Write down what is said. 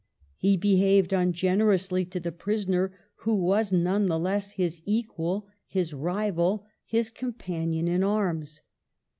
He behaved ungener ously to the prisoner who was none the less his equal, his rival, his companion in arms.